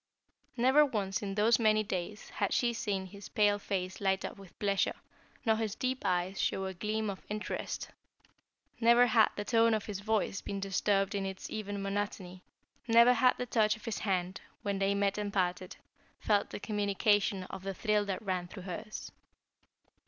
Never once in those many days had she seen his pale face light up with pleasure, nor his deep eyes show a gleam of interest; never had the tone of his voice been disturbed in its even monotony; never had the touch of his hand, when they met and parted, felt the communication of the thrill that ran through hers.